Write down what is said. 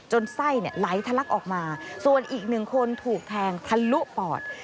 จนไหม้ไลธลักก์ออกมาส่วนอีกหนึ่งคนถูกแทงทะลุปลอด